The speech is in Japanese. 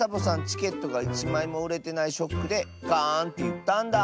チケットがいちまいもうれてないショックでガーンっていったんだ。